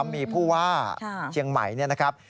มีผู้ว่าเชียงใหม่นะครับ